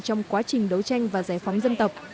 trong quá trình đấu tranh và giải phóng dân tộc